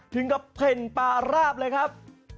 จึงเข้าเข็นปลาราบเลยครับ